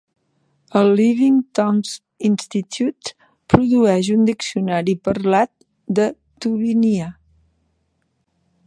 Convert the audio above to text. El Living Tongues Institute produeix un diccionari parlat de tuvinià.